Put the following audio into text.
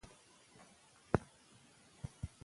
ښوونځې لوستې میندې د ماشومانو د خوب وخت تنظیموي.